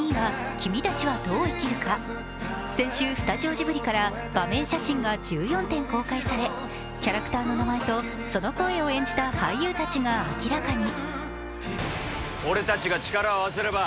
先週、スタジオジブリから場面写真が１４点公開されキャラクターの名前とその声を演じた俳優たちが明らかに。